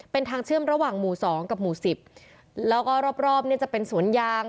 เป็นทางเชื่อมระหว่างหมู่สองกับหมู่สิบแล้วก็รอบรอบเนี่ยจะเป็นสวนยาง